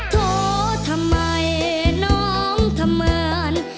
โทษทำไมน้องทะเมิน